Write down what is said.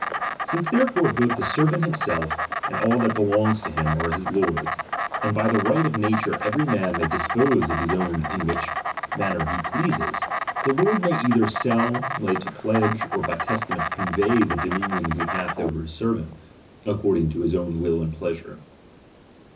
Since therefore both the servant himself, and TjHpf J ^1 that belongs to him are his lord's, and by the or "Hena I'ight of nature every man may dispose of his own ^ in what manner he pleases ; the lord may either Sell, lay to pledge, or by testament convey the do minion he hath over his servant, according to his own will and pleasure, 7.